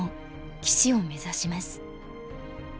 棋士を目指します。